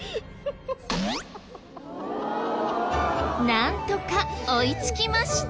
なんとか追いつきました。